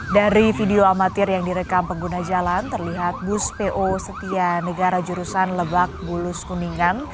dari video amatir yang direkam pengguna jalan terlihat bus po setia negara jurusan lebak bulus kuningan